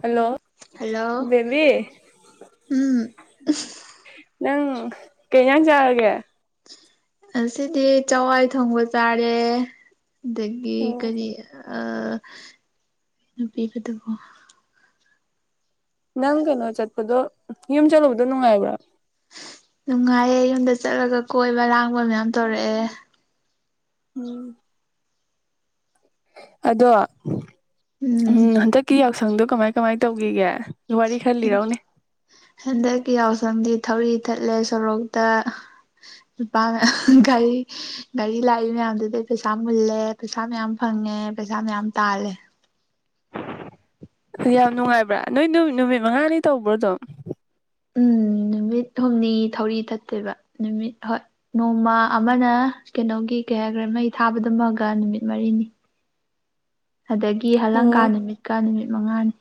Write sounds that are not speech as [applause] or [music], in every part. Hello baby ꯅꯪ ꯀꯩ ꯌꯦꯟꯁꯥꯡ ꯆꯥꯔꯒꯦ ꯉꯁꯤꯗꯤ ꯆꯋꯥꯏ ꯊꯣꯡꯕ ꯆꯥꯔꯦ ꯗꯒꯤ ꯀꯔꯤ ꯑ ꯅꯨꯄꯤ [unintelligible] ꯅꯪ ꯀꯩꯅꯣ ꯆꯠ ꯑꯗꯣ ꯌꯨꯝ ꯆꯠꯂꯨꯕꯗꯣ ꯅꯨꯡꯉꯥꯏꯕ꯭ꯔꯥ ꯅꯨꯡꯉꯥꯏꯌꯦ ꯌꯨꯝꯗ ꯆꯠꯂꯒ ꯀꯣꯏꯕ ꯂꯥꯡꯕ ꯃꯌꯥꯝ ꯇꯧꯔꯛꯑꯦ ꯎꯝ ꯑꯗꯣ ꯎꯝ ꯍꯟꯗꯛꯀꯤ ꯌꯥꯎꯁꯪꯗꯨ ꯀꯃꯥꯏ ꯀꯃꯥꯏ ꯇꯧꯒꯤꯒꯦ ꯍꯗ ꯍꯟꯗꯛꯀꯤ ꯌꯥꯎꯁꯪꯗꯤ ꯊꯧꯔꯤ ꯊꯠꯂꯦ ꯁꯣꯔꯣꯛꯇ ꯅꯨꯨꯄꯥ ꯃꯌꯥꯝ ꯒꯥꯔꯤ ꯒꯥꯔꯤ ꯂꯥꯛꯏ ꯃꯌꯥꯝꯗꯨꯗꯩ ꯄꯩꯁꯥ ꯃꯨꯜꯂꯦ ꯄꯩꯁꯥ ꯃꯌꯥꯝ ꯐꯪꯉꯦ ꯄꯩꯁꯥ ꯃꯌꯥꯝ ꯇꯥꯜꯂꯦ ꯌꯥꯝ ꯅꯨꯡꯉꯥꯏꯕ꯭ꯔꯥ ꯅꯣꯏ ꯅꯨꯃꯤ ꯅꯨꯃꯤꯠ ꯃꯉꯥꯅꯤ ꯇꯧꯕ꯭ꯔꯣ ꯑꯗꯨꯝ ꯎꯝ ꯅꯨꯃꯤꯠ ꯍꯨꯝꯅꯤ ꯊꯧꯔꯤ ꯊꯠꯇꯣꯏꯕ ꯅꯨꯃꯤꯠ ꯍꯣꯏ ꯅꯣꯡꯃ ꯑꯃꯅ ꯀꯩꯅꯣꯒꯤ ꯀꯩ ꯍꯥꯏꯒ꯭ꯔꯦ ꯃꯩ ꯊꯥꯕꯗꯨꯃꯒ ꯅꯨꯃꯤꯠ ꯃꯔꯤꯅꯤ ꯑꯗꯒꯤ ꯍꯂꯪꯀꯥꯔ ꯅꯨꯃꯤꯠꯀ ꯅꯨꯃꯤꯠ ꯃꯉꯥꯅꯤ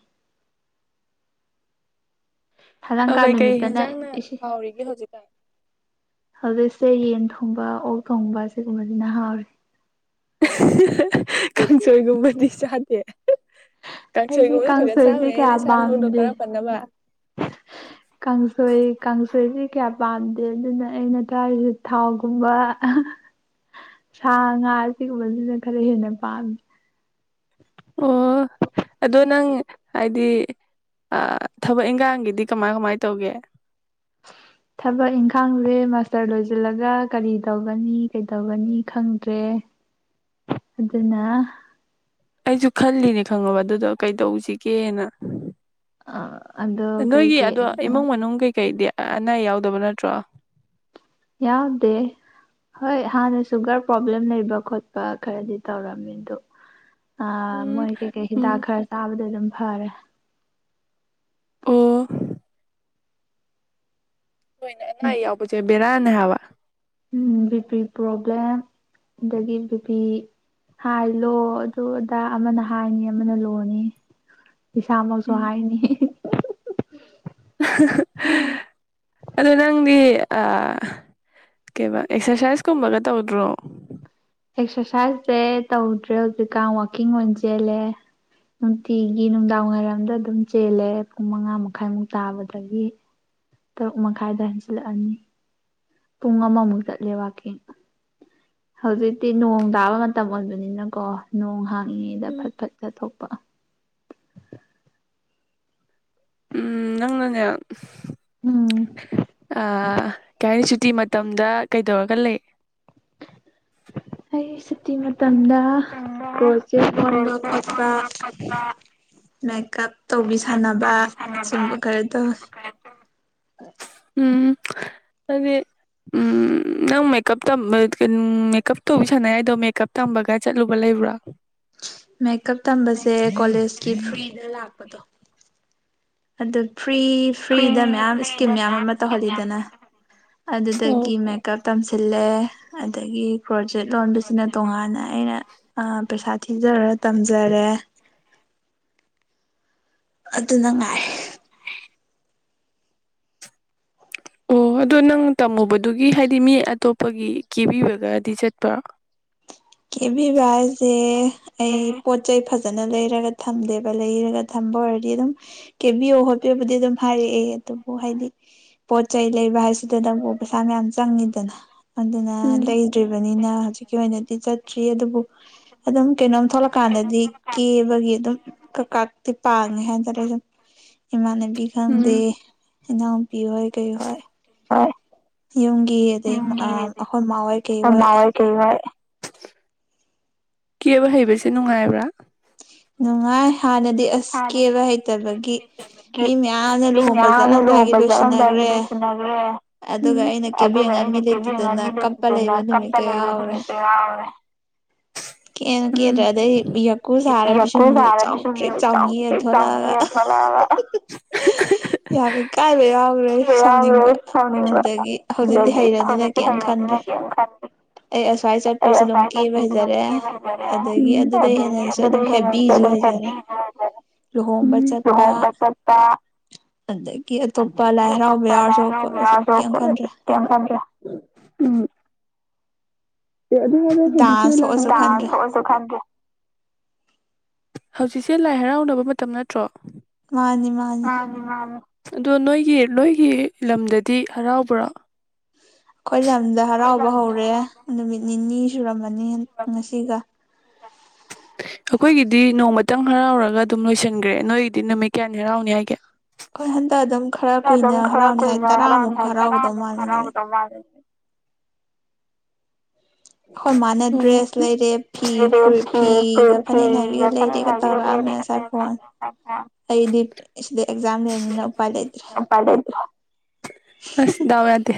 ꯑ ꯀꯩꯀꯩ ꯍꯦꯟꯖꯥꯡꯅ ꯍꯥꯎꯔꯤꯒꯦ ꯍꯧꯖꯤꯛꯀꯥꯟ ꯍꯧꯖꯤꯛꯁꯦ ꯌꯦꯟ ꯊꯣꯡꯕ ꯑꯣꯛ ꯊꯣꯡꯕ ꯁꯤꯒꯨꯝꯕꯁꯤꯅ ꯍꯥꯎꯔꯤ [unintelligible] ꯀꯥꯡꯁꯣꯏꯒꯨꯝꯕꯗꯤ ꯆꯥ ꯑꯦ ꯑꯩꯗꯤ ꯀꯥꯡꯁꯣꯏꯁꯦ ꯀꯌꯥ ꯄꯥꯝꯗꯦ ꯀꯥꯡꯁꯣꯏ ꯀꯥꯡꯁꯣꯏ ꯑꯩꯗꯤ ꯀꯌꯥ ꯄꯥꯝꯗꯦ ꯑꯗꯨꯅ ꯑꯩꯅ ꯆꯥꯔꯤꯁꯦ ꯊꯥꯎꯒꯨꯝꯕ ꯁꯥ ꯉꯥ ꯑꯁꯤꯒꯨꯝꯕꯁꯤꯅ ꯈꯔ ꯍꯦꯟꯅ ꯄꯥꯝꯃꯤ ꯑꯣ ꯑꯗꯣ ꯅꯪ ꯍꯥꯏꯗꯤ ꯊꯕꯛ ꯏꯪꯈꯥꯡꯒꯤꯗꯤ ꯀꯃꯥꯏ ꯀꯃꯥꯏ ꯇꯧꯒꯦ ꯊꯕꯛ ꯏꯪꯈꯥꯡ ꯂꯩ ꯃꯥꯁꯇꯔ ꯂꯣꯏꯁꯤꯜꯂꯒ ꯀꯔꯤ ꯇꯧꯒꯅꯤ ꯀꯩꯗꯧꯒꯅꯤ ꯈꯪꯗ꯭ꯔꯦ ꯑꯗꯨꯅ ꯑꯩꯁꯨ ꯈꯜꯂꯤꯅꯦ ꯈꯪꯉꯕ ꯑꯗꯨꯗ ꯀꯩꯗꯧꯁꯤꯒꯦꯅ ꯅꯣꯏꯒꯤ ꯑꯗꯣ ꯏꯃꯨꯡ ꯃꯅꯨꯡ ꯀꯩꯀꯩꯗꯤ ꯑꯅꯥ ꯑꯌꯦꯛ ꯌꯥꯎꯗꯕ ꯅꯠꯇ꯭ꯔꯣ ꯌꯥꯎꯗꯦ ꯍꯣꯏ ꯍꯥꯟꯅ ꯁꯨꯒꯔ ꯄ꯭ꯔꯣꯕ꯭ꯂꯦꯝ ꯂꯩꯕ ꯈꯣꯠꯄ ꯈꯔꯗꯤ ꯇꯧꯔꯝꯃꯤꯗꯣ ꯑ ꯃꯣꯏ ꯀꯩꯀꯩ ꯍꯤꯗꯥꯛ ꯈꯔ ꯆꯥꯕꯗ ꯑꯗꯨꯝ ꯐꯔꯦ ꯍꯣꯏ ꯑꯅꯥ ꯑꯌꯦꯛ ꯌꯥꯎꯕꯁꯦ ꯕꯦꯔꯥꯅꯦ ꯍꯥꯏꯕ ꯎꯝ ꯕꯤ ꯄꯤ ꯄ꯭ꯔꯣꯕ꯭ꯂꯦꯝ ꯑꯗꯒꯤ ꯕꯤ ꯄꯤ ꯍꯥꯏ ꯂꯣ ꯑꯗꯨ ꯑꯗꯥ ꯑꯃꯅ ꯍꯥꯏꯅꯤ ꯑꯃꯅ ꯂꯣꯅꯤ ꯏꯁꯥꯃꯛꯁꯨ ꯍꯥꯏꯅꯤ ꯑꯗꯣ ꯅꯪꯗꯤ ꯑ ꯑꯦꯛꯁꯔꯁꯥꯏꯁꯀꯨꯝꯕꯒ ꯇꯧꯗ꯭ꯔꯣ ꯑꯦꯛꯁꯔꯁꯥꯏꯁꯁꯦ ꯇꯧꯗ꯭ꯔꯦ ꯍꯧꯖꯤꯛꯀꯥꯟ ꯋꯥꯛꯀꯤꯡ ꯑꯣꯏꯅ ꯆꯦꯜꯂꯦ ꯅꯨꯡꯇꯤꯒꯤ ꯅꯨꯡꯗꯥꯡ ꯋꯥꯏꯔꯝꯗ ꯑꯗꯨꯝ ꯆꯦꯜꯂꯦ ꯄꯨꯡ ꯃꯉꯥ ꯃꯈꯥꯏꯃꯨꯛ ꯇꯥꯕꯗꯒꯤ ꯇꯔꯨꯛ ꯃꯈꯥꯏꯗ ꯍꯟꯖꯤꯜꯂꯛꯑꯅꯤ ꯄꯨꯡ ꯑꯃꯃꯨꯛ ꯆꯠꯂꯦ ꯋꯥꯀꯤꯡ ꯍꯧꯖꯤꯛꯇꯤ ꯅꯣꯡ ꯇꯥꯕ ꯃꯇꯝ ꯑꯣꯏꯕꯅꯤꯅꯀꯣ ꯅꯣꯡ ꯍꯥꯡ ꯉꯤꯗ ꯐꯠ ꯐꯠ ꯆꯠꯊꯣꯛꯄ ꯎꯝ ꯅꯪꯅꯅꯦ [unintelligible] ꯁꯨꯇꯤ ꯃꯇꯝꯗ ꯀꯩꯗꯧꯔꯒ ꯂꯩ ꯑꯩ ꯁꯨꯇꯤ ꯃ ꯃꯇꯝꯗ ꯀ꯭ꯔꯣꯆꯦ ꯂꯣꯟꯕ ꯈꯣꯠꯄ ꯃꯦꯀꯞ ꯇꯧꯕꯤ ꯁꯥꯟꯅꯕ ꯁꯨꯝꯕ ꯈꯔ ꯇꯧꯋꯤ ꯑ ꯎꯝ ꯍꯥꯏꯗꯤ ꯎꯝ ꯅꯪ ꯃꯦꯀꯞ ꯃꯦꯀꯞ ꯇꯧꯕꯤ ꯁꯥꯟꯅꯩ ꯍꯥꯏꯗꯣ ꯃꯦꯀꯞ ꯇꯝꯕꯒ ꯆꯠꯂꯨꯕ ꯂꯩꯕ꯭ꯔꯣ ꯃꯦꯀꯞ ꯇꯝꯕꯁꯦ ꯀꯣꯂꯦꯖꯀꯤ ꯐ꯭ꯔꯤꯗ ꯂꯥꯛꯄꯗꯣ ꯑꯗ ꯐ꯭ꯔꯤ ꯐ꯭ꯔꯤꯗ ꯃꯌꯥꯝ ꯏꯁꯀꯤꯝ ꯃꯌꯥꯝ ꯑꯃ ꯇꯧꯍꯜꯂꯤꯗꯅ ꯑꯗꯨꯗꯒꯤ ꯃꯦꯀꯞ ꯇꯝꯁꯤꯜꯂꯦ ꯑꯗꯒꯤ ꯀ꯭ꯔꯣꯖꯦꯠ ꯂꯣꯟꯕꯁꯤꯅ ꯇꯣꯉꯥꯟꯅ ꯑꯩꯅ ꯄꯩꯁꯥ ꯊꯤꯖꯔ ꯇꯝꯖꯔꯦ ꯑꯗꯨ ꯉꯥꯏ ꯑꯣ ꯑꯗꯣ ꯅꯪ ꯇꯝꯃꯨꯕꯗꯨꯒꯤ ꯍꯥꯏꯗꯤ ꯃꯤ ꯑꯇꯣꯞꯄꯒꯤ ꯀꯦꯕꯤꯕꯒꯗꯤ ꯆꯠꯄ꯭ꯔꯥ ꯀꯦꯕꯤꯕ ꯍꯥꯏꯁꯦ ꯑꯩ ꯄꯣꯠ ꯆꯩꯩ ꯐꯖ ꯐꯖꯅ ꯂꯩꯔꯒ ꯊꯝꯗꯦꯕ ꯂꯩꯔꯒ ꯊꯝꯕ ꯑꯣꯏꯔꯗꯤ ꯑꯗꯨꯝ ꯀꯦꯕꯤꯌꯣ ꯈꯣꯠꯄꯤꯌꯣꯕꯨꯗꯤ ꯑꯗꯨꯝ ꯍꯥꯏꯔꯛꯑꯦ ꯑꯗꯨꯕꯨ ꯍꯥꯏꯗꯤ ꯄꯣꯠ ꯆꯩꯩ ꯂꯩꯕ ꯍꯥꯏꯁꯤꯗꯅꯕꯨ ꯄꯩꯁꯥ ꯃꯌꯥꯝ ꯆꯪꯉꯤꯗꯅ ꯑꯗꯨꯅ ꯂꯩꯗ꯭ꯔꯤꯕꯅꯤꯅ ꯍꯧꯖꯤꯛꯀꯤ ꯑꯣꯏꯅꯗꯤ ꯆꯠ ꯊ꯭ꯔꯤ ꯑꯗꯨꯕꯨ ꯑꯗꯨꯝ ꯀꯩꯅꯣꯝ ꯊꯣꯛꯂꯛꯀꯥꯟꯗꯗꯤ ꯀꯦꯕꯒꯤ ꯑꯗꯨꯝ ꯀꯛꯀꯇꯤ ꯄꯥꯡꯉꯦ ꯍꯥꯏꯇꯥꯔꯦ ꯁꯨꯝ ꯏꯃꯥꯟꯅꯕꯤ ꯈꯪꯗꯦ ꯏꯅꯥꯎꯄꯤ ꯍꯣꯏ ꯀꯩ ꯍꯣꯏ ꯍ ꯌꯣꯡꯒꯤ ꯑꯗꯩ ꯑ ꯑꯃ ꯋꯥꯣꯏ ꯀꯩ ꯋꯥꯏ ꯀꯦꯕ ꯍꯩꯕꯁꯦ ꯅꯨꯡꯉꯥꯏꯕ꯭ꯔꯥ ꯑ ꯉꯥꯏ ꯍꯥꯟꯅꯗꯤ ꯑꯁ ꯀꯦꯕ ꯍꯩꯇꯕꯒꯤ ꯃꯤ ꯃꯌꯥꯝꯅ ꯂꯨꯍꯣꯡꯕ ꯆꯠꯂꯝꯗꯥꯏꯒꯤ ꯂꯣꯏꯁꯤꯟꯅꯈ꯭ꯔꯦ ꯑꯗꯨꯒ ꯑꯩꯅ ꯀꯦꯕꯤꯉꯥꯏ ꯃꯤ ꯂꯩꯇꯗꯅ ꯀꯞꯄ ꯂꯩꯕ ꯅꯨꯃꯤꯠꯀ ꯌꯥꯎꯔꯦ ꯀꯦꯅ ꯀꯦꯗ꯭ꯔꯦ ꯑꯗꯩ ꯈꯣꯏ ꯁꯥꯦ ꯄ ꯆꯨꯝꯗ ꯆꯥꯎꯊꯦꯛ ꯆꯥꯎꯕꯤꯔ ꯊꯣꯛꯂꯛꯑꯒ ꯊꯤꯕ ꯌꯥꯎꯔꯣꯏ ꯁꯥꯎꯅꯤꯡꯕ ꯑꯗꯒꯤ ꯍꯧꯖꯤꯛꯇꯤ ꯍꯩꯔꯅꯤꯅ ꯀꯔꯤꯅ ꯈꯜꯂꯤ ꯑꯩ ꯑꯁ꯭ꯋꯥꯏ ꯆꯠꯄꯁꯨ ꯑꯗꯨꯝ ꯀꯦꯕ ꯍꯩꯖꯔꯦ ꯑꯗꯨꯗꯒꯤ ꯑꯗꯨꯗ ꯍꯦꯟꯅꯟꯅꯁꯨ ꯑꯗꯨꯝ ꯍꯦꯕꯤꯁꯨꯩꯖꯔꯦ ꯂꯨꯍꯣꯡꯕ ꯆꯠꯄ ꯀ ꯂꯔꯣꯖ ꯀ ꯐꯝ ꯑꯗꯨ ꯍꯧꯖꯤꯁꯨ ꯈ ꯍꯧꯖꯤꯛꯁꯦ ꯂꯥꯏ ꯍꯔꯥꯎꯅꯕ ꯃꯇꯝ ꯅꯠꯇ꯭ꯔꯣ ꯑ ꯃꯥꯅꯤ ꯑꯗꯣ ꯅꯣꯏꯒꯤ ꯅꯣꯏꯒꯤ ꯂꯝꯗꯗꯤ ꯍꯔꯥꯎꯕ꯭ꯔꯥ ꯑꯩꯈꯣꯏ ꯌꯥꯝ ꯌꯥꯝꯗ ꯍꯔꯥꯎꯕ ꯍꯧꯔꯦ ꯅꯨꯃꯤꯠ ꯅꯤꯅꯤ ꯁꯨꯔꯝꯃꯅꯤ ꯉꯁꯤꯒ ꯑꯩꯈꯣꯏꯒꯤꯗꯤ ꯅꯣꯡꯃꯇꯪ ꯍꯔꯥꯎꯔꯒ ꯑꯗꯨꯝ ꯂꯣꯏꯁꯤꯟꯈ꯭ꯔꯦ ꯅꯣꯏꯒꯤꯗꯤ ꯅꯨꯃꯤꯠ ꯀꯌꯥꯅꯤ ꯍꯔꯥꯎꯅꯤ ꯍꯥꯏꯒꯦ ꯍꯣꯏ ꯍꯟꯗꯛ ꯑꯗꯨꯝ ꯈꯔ ꯀꯨꯏꯅ ꯍꯔꯥꯎꯅꯤ ꯍꯥꯏ ꯇꯔꯥꯃꯨꯛ ꯍꯔꯥꯎꯒꯗꯧ ꯃꯥꯜꯂꯦ ꯅꯨꯃꯤꯠ ꯑꯩꯈꯣꯏ ꯃꯥꯅ ꯗ꯭ꯔꯦꯁ ꯂꯩꯔꯦ ꯐꯤ ꯐꯤꯒ ꯐꯅꯦꯛ ꯅꯥꯏꯕꯤꯒ ꯂꯩꯔꯦꯒ ꯇꯧꯔꯛꯑꯝꯃꯦ ꯉꯁꯥꯏ ꯐꯣꯟ ꯑꯩꯗꯤꯗ ꯄꯔꯗ ꯑꯁ ꯏꯗꯥꯎ ꯌꯥꯗꯦ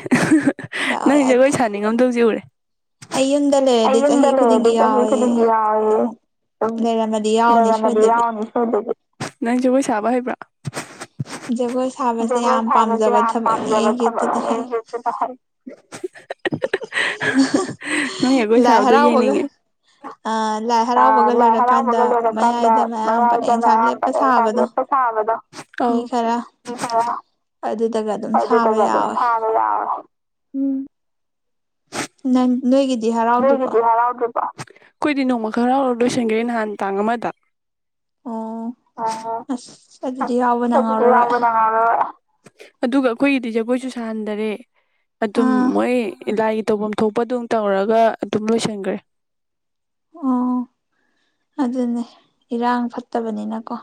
ꯅꯪ ꯖꯒꯣꯏ ꯁꯥꯅꯤꯡꯉꯝꯗꯧꯖꯤꯦ ꯎꯔꯦ ꯑꯩ ꯌꯨꯝꯗ ꯂꯩꯔꯗꯤ ꯆꯍꯤ ꯈꯨꯗꯤꯡꯒꯤ ꯌꯥꯎꯋꯦ ꯑꯗꯨꯝ ꯂꯩꯔꯅꯗꯤ ꯌꯥꯎꯅꯤ ꯁꯣꯏꯗꯗꯤ ꯅꯪ ꯖꯒꯣꯏ ꯁꯥꯕ ꯍꯩꯕ꯭ꯔꯥ ꯖꯒꯣꯏ ꯁꯥꯕꯁꯦ ꯌꯥꯝ ꯄꯥꯝꯖꯕ ꯊꯕꯛꯅꯤ ꯑꯩꯒꯤ ꯑꯗꯨꯅ ꯍꯥꯏ ꯅꯪ ꯑꯩꯈꯣꯏ ꯁꯥꯕꯗꯣ ꯌꯦꯡꯅꯤꯡꯉꯦ ꯑ ꯂꯥꯏ ꯍꯔꯥꯎꯕꯒ ꯂꯣꯏꯔꯀꯥꯟꯗ ꯃꯌꯥꯏꯗꯒ ꯑꯌꯥꯝꯕꯅꯦꯁꯥ ꯂꯦꯞꯄ ꯁꯥꯕꯗꯣ ꯍ ꯑꯗꯨꯇ ꯑꯗꯨ ꯍꯥꯂ [unintelligible] ꯎꯝ ꯅꯪ ꯅꯣꯏꯒꯤꯗꯤ ꯍꯔꯥꯎꯗ꯭ꯔꯤꯕꫭ ꯑꯩꯈꯣꯏꯗꯤ ꯅꯣꯡꯃ ꯈꯛ ꯍꯔꯥꯎꯔ ꯂꯣꯏꯁꯟꯒ꯭ꯔꯦ ꯅꯍꯥꯟ ꯇꯥꯡ ꯑꯃꯗ [unintelligible] ꯑꯗꯨꯒ ꯑꯩꯈꯣꯏꯒꯤꯗꯤ ꯖꯒꯣꯏꯁꯨ ꯁꯥꯍꯟꯗꯔꯦ ꯑꯗꯨꯝ ꯃꯣꯏ ꯂꯥꯏꯒꯤ ꯇꯧꯐꯝ ꯊꯣꯛꯄꯗꯨꯝ ꯇꯧꯔꯒ [unintelligible] ꯑꯗꯨꯝ ꯂꯣꯏꯁꯟꯒ꯭ꯔꯦ ꯑꯣ ꯑꯗꯨꯅꯦ ꯏꯔꯥꯡ ꯐꯠꯇꯕꯅꯤꯅꯀꯣ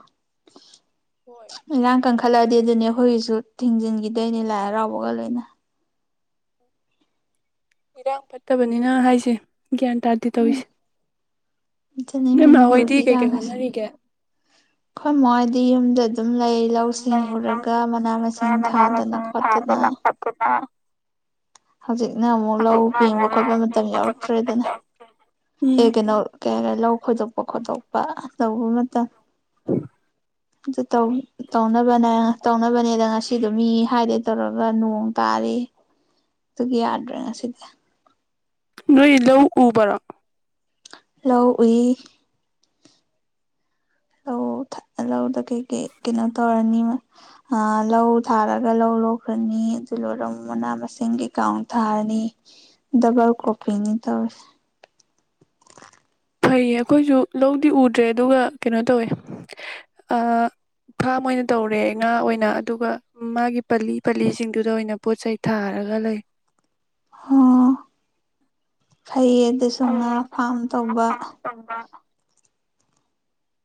ꯏꯔꯥꯡ ꯀꯟꯈꯠꯂꯛꯑꯗꯤ ꯑꯗꯨꯅꯦ ꯑꯩꯈꯣꯏꯒꯤꯖꯨ ꯊꯤꯡꯖꯤꯟꯒꯤꯗꯣꯏꯅꯦ ꯂꯥꯏ ꯍꯔꯥꯎꯕꯒ ꯂꯣꯏꯅ ꯏꯔꯥꯡ ꯐꯠꯇꯕꯅꯤꯅ ꯍꯥꯏꯁꯦ ꯒꯥ꯭ꯌꯟ ꯇꯥꯗꯦ ꯇꯧꯔꯤꯁꯦ ꯅꫭꯏꯃ ꯍꯣꯏꯗꯤ ꯀꯩꯀꯩ ꯍꯣꯠꯅꯔꯤꯒꯦ ꯑꯈꫭꯏ ꯃꯍꫭꯏꯗꯤ ꯌꯨꯝꯗ ꯑ ꯑꯗꯨꯝ ꯂꯩ ꯂꯧꯁꯤꯡ ꯎꯔꯒ ꯃꯅꯥ ꯃꯁꯤꯡ ꯊꯥꯗꯅ ꯈꯣꯠꯇꯅ ꯍꯧꯖꯤꯛꯅ ꯑꯃꯨꯛ ꯂꯧ ꯄꯦꯡꯕ ꯈꯣꯠꯄ ꯃꯇꯝ ꯌꯥꯎꯔꯛꯇꯨꯔꯦꯗꯅ ꯑꯦ ꯀꯩꯅꯣ ꯀꯩ ꯍꯥꯏꯅꯤ ꯂꯧ ꯈꯣꯏꯗꯣꯛꯄ ꯈꯣꯠꯇꯣꯛꯄ ꯄ ꯇꯧꯕ ꯃꯇꯝ ꯑꯗꯨ ꯇꯧ ꯇꯧꯅꯕꯅꯥ ꯇꯧꯅꯕꯅꯦꯅ ꯉꯁꯤꯗꯣ ꯃꯤ ꯍꯥꯏꯒꯦ ꯇꯧꯔꯒ ꯅꯣꯡ ꯇꯥꯔꯤ ꯑꯗꯨꯒꯤ ꯌꯥꯗ꯭ꯔꯦ ꯉꯁꯤꯗꯤ ꯅꯣꯏ ꯂꯧ ꯎꯕꯔꫭ ꯂꯧ ꯎꯏ ꯂꯧ ꯊꯥ ꯂꯧꯗ ꯀꯩꯀꯩ ꯀꯩꯅꯣ ꯇꯧꯔꯅꯤ ꯑꯥ ꯂꯧ ꯊꯥꯔꯒ ꯂꯧ ꯂꫭꯛꯈ꯭ꯔꯅꯤ ꯑꯗꯨ ꯂꯣꯏꯔ ꯑꯃꯨꯛ ꯃꯅꯥ ꯃꯁꯤꯡ ꯀꯩꯀꯥ ꯑꯃꯨꯛ ꯊꯥꯔꯅꯤ ꯗꯕꯜ ꯀ꯭ꯔꯣꯞꯄꯤꯛꯅꯤ ꯇꯧꯔꯤꯖꯦ ꯐꯩꯌꯦ ꯑꯩꯈꯣꯏꯁꯨ ꯂꯧꯗꯤ ꯎꯗ꯭ꯔꯦ ꯑꯗꯨꯒ ꯀꯩꯅꯣ ꯇꯧꯋꯦ ꯑ ꯐꯥꯝ ꯑꯣꯏꯅ ꯇꯧꯔꯦ ꯉꯥ ꯑꯣꯏꯅ ꯑꯗꯨꯒ ꯃꯥꯒꯤ ꯄꯜꯂꯤ ꯄꯜꯂꯤꯁꯤꯡꯗꯨꯗ ꯑꯣꯏꯅ ꯄꯣꯠ ꯆꯩꯩ ꯊꯥꯔꯒ ꯂꯩ ꯍꫭ [unintelligible] ꯐꯩꯌꯦ ꯑꯗꯨꯁꯨ ꯉꯥ ꯐꯥꯝ ꯇꯧꯕ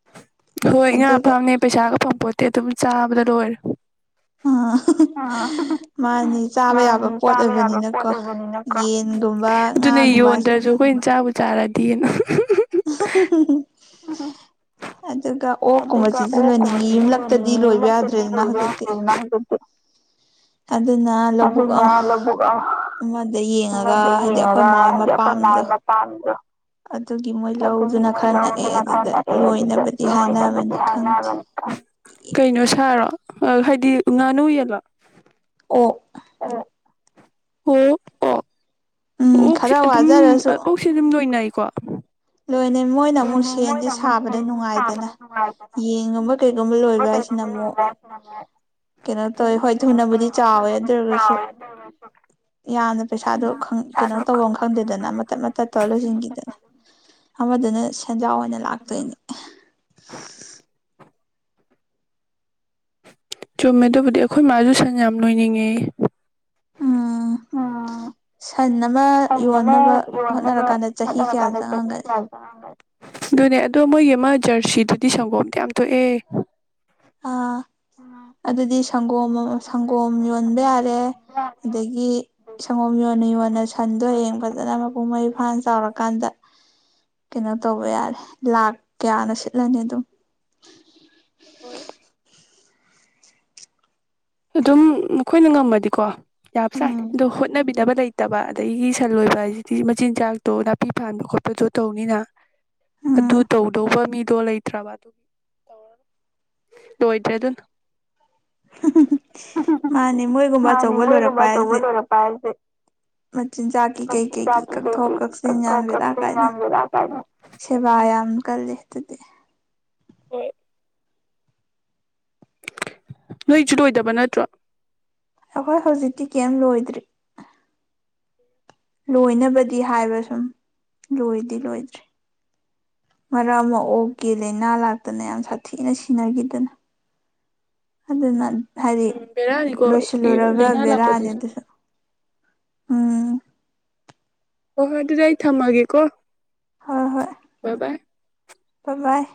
[inaudible] ꯍꯣꯏ ꯉꯥ ꯐꯥꯝꯅꯦ ꯄꯩꯁꯥꯒ ꯐ ꯄꯣꯠꯇꯤ ꯑꯗꯨꯝ ꯆꯥꯕꯗ ꯂꯣꯏꯔꯦ ꯎ ꯑꯥ-ꯍ-ꯍ ꯃꯥꯅꯤ ꯆꯥꯕ ꯌꯥꯕ ꯄꯣꯠ ꯑꯣꯏꯕꯅꯤꯅꯀꯣ ꯌꯦꯟꯒꯨꯝꯕ ꯉꯥꯒꯨꯝꯕ ꯑꯁꯤꯅꯤ ꯆꯥꯔꯗꯤꯅ [unintelligible] [unintelligible] [unintelligible] ꯑꯗꯨꯒ ꯑꯣꯛꯀꯨꯝꯕ ꯁꯤꯖꯤꯟ ꯅꯅꯤꯡꯉꯤ ꯌꯨꯝꯂꯛ ꯇꯗꯤ ꯂꯣꯏꯕ ꯌꯥꯗ꯭ꯔꯦꯗꯅ ꯍꯧꯖꯤꯛꯇꯤ ꯑꯗꯨꯅ ꯂꯧꯕꯨꯛ ꯑꯥ ꯑꯃꯗ ꯌꯦꯡꯉꯒ ꯍꯥꯏꯗꯤ ꯑꯩꯈꯣꯏ ꯃꯥ ꯍꯣꯏ ꯃꯄꯥꯝꯗꯣ ꯑꯗꯨꯒꯤ ꯃꯣꯏ ꯂꯧꯗꯨꯅ ꯈꯔ ꯅꯛꯑꯦ ꯑꯗꯨꯗ ꯂꯣꯏꯅꯕꯗꯤ ꯍꯥꯏꯅꯕꯅꯤ ꯈꯪꯗꯦ ꯀꯩꯅꫭ ꯁꯥꯔꫭ ꯑ ꯍꯥꯏꯗꯤ ꯉꯥꯅꯨ ꯌꯦꯟꯂꫭ ꯑꯣꯛ꯫ ꯑꯣꯛ꯫ ꯑꯣ-ꯑꯣꯛ꯫ ꯑꯣꯛꯁ ꯑꯗꯨꯝ ꯑꯣꯛꯁ ꯑꯗꯨꯝ ꯂꯣꯏꯅꯩ꯫ ꯀꫭ꯫ ꯂꯣꯏꯅꯦ ꯃꯣꯏꯅ ꯑꯃꯨꯛ ꯐꯦꯟꯁꯦ ꯁꯥꯕꯗ ꯅꯨꯡꯉꯥꯏꯗꯅ ꯌꯦꯟꯒꯨꯝꯕ ꯀꯩꯒꯨꯝꯕ ꯂꯣꯏꯕꯁꯤꯅ ꯑꯃꯨꯛ ꯀꯩꯅꯣ ꯇꯧꯦ ꯍꯣꯏ ꯊꯨꯅꯕꯗꯤ ꯌꯥꯋꯦ ꯑꯗꯨ ꯑꯣꯏꯔꯁꯨ꯫ ꯑꯃꯗꯨꯅ ꯁꯦꯟꯖꯥꯎ ꯑꯣꯏꯅ ꯂꯥꯛꯇꯣꯏꯅꯦ꯫ ꯆꯨꯝꯃꯦ ꯑꯗꯨꯕꯨꯗꯤ ꯑꯩꯈꯣꯏ ꯃꯥꯁꯨ ꯁꯟ ꯌꯥꯝ ꯂꯣꯏꯅꯤꯡꯉꯦꯌ‌ꯦ꯫ ꯁꯟ ꯑꯃ ꯌꯣꯟꯅꯕ ꯍꯣꯠꯅꯔꯀꯥꯟꯗ ꯆꯍꯤ ꯀꯌꯥ ꯆꯪꯉꯝꯒꯅꯤ꯫ ꯑꯗꯨꯅꯦ ꯑꯗꯣ ꯃꯣꯏꯒꯤ ꯑꯃ ꯖꯔꯁꯤꯗꯨꯗꯤ ꯁꯪꯒꯣꯝꯇ ꯌꯥꯝ ꯊꯣꯛꯑꯦ꯫ ꯑ ꯑꯗꯨꯗ꯫ ꯁꯪꯒꯣꯝ ꯑꯃ ꯁꯪꯒꯣꯝ ꯌꯣꯟꯕ ꯌꯥꯔꯦ ꯑꯗꯒꯤ ꯁꯪꯒꯣꯝ ꯌꯣꯟꯅ ꯌꯣꯟꯅ ꯁꯟꯗꯣ ꯍꯌꯦꯡ ꯐꯖꯅ ꯃꯄꯨꯡ ꯃꯔꯩ ꯐꯥꯅ ꯆꯥꯎꯔꯀꯥꯟꯗ꯫ ꯀꯩꯅꯣ ꯇꯧꯕ ꯌꯥꯔꯦ ꯂꯥꯛ ꯀꯌꯥꯅ ꯁꯤꯠꯂꯅꯤ ꯑꯗꯨꯝ꯫ ꯑꯣꯏ꯫ ꯑꯗꯨꯝ ꯑꯩꯈꯣꯏꯅ ꯉꯝꯃꯗꯤꯀꯣ ꯌꯥꯝꯕ ꯖꯥꯠꯅꯤ ꯑꯗꯣ ꯍꯣꯠꯅꯕꯤꯗꯅꯕ ꯂꯩꯇꯕ ꯑꯗꯒꯤ ꯁꯟ ꯂꯣꯏꯕ ꯍꯥꯏꯁꯤꯗꯤ ꯃꯆꯤꯟꯖꯥꯛꯇꯣ ꯅꯥꯄꯤ ꯐ ꯈꯣꯠꯄꯗꯣ ꯇꯧꯅꯤꯅ ꯑꯗꯨ ꯇꯧꯗꯧꯕ ꯃꯤꯗꯣ ꯂꯩꯇ꯭ꯔꯕ ꯑꯗꯨꯒꯤ ꯂꯣꯏꯗ꯭ꯔꯦ ꯑꯗꯨꯅ꯫ ꯃꯥꯅꯦ ꯃꯣꯏꯒꯨꯝꯕ ꯑꯆꯧꯕ ꯂꯣꯏꯔꯛꯄ ꯍꯥꯏꯁꯦ ꯃꯆꯤꯟꯖꯥꯛꯀꯤ ꯀꯩ ꯀꯩꯒꯤ ꯀꯛꯊꯣꯛ ꯀꯛꯆꯤꯟ ꯌꯥꯝꯕ‌ꯦꯔ ꯀꯥꯏꯗ ꯁꯦꯕꯥ ꯌꯥꯝ ꯀꯜꯂꯤ ꯑꯗꯨꯗꯤ꯫ ꯑꯦ꯫ ꯅꯣꯏꯁꯨ ꯂꯣꯏꯗꯕ ꯅꯠꯇ꯭ꯔꯣ꯫ ꯑꯩꯈꯣꯏ ꯍꯧꯖꯤꯛꯇꯤ ꯀꯩ ꯂꯣꯏꯗ꯭ꯔꯤ꯫ ꯂꯣꯏꯅꯕꯗꯤ ꯍꯥꯏꯕ ꯁꯨꯝ ꯂꯣꯏꯗꯤ ꯂꯣꯏꯗ꯭ꯔꯤ꯫ ꯃꯔꯛ ꯑꯃ ꯑꯣꯛꯀꯤ ꯂꯩꯏꯅ ꯂꯥꯛꯇꯅ‌ꯦ ꯌꯥꯝ꯫ ꯁꯥꯊꯤꯅ ꯁꯤꯅꯈꯤꯗꯅ ꯑꯗꯨꯅ꯫ ꯍꯥꯏꯗꯤ ꯂꯣꯏꯁꯤꯜꯂꯨꯔꯒ ꯕꯦꯔꯥꯅꯤ ꯑꯗꯨꯁꯨ꯫ ꯍ‌ꯣ-ꯍꫭꯏ ꯑꯗꯨꯗꯤ ꯑꯩ ꯊꯝꯃꯒꯦꯀꯣ꯫ ꯕ-ꯕꯥꯥꯏ꯫ ꯕ-ꯕꯥꯏ꯫